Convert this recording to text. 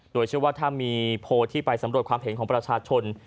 โดยเชื่อว่าถ้ามีโพลที่ไปสำรวจความเห็นของประชาชน